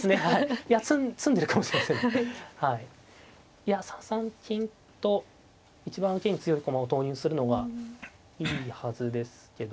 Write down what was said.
いや３三金と一番受けに強い駒を投入するのがいいはずですけど。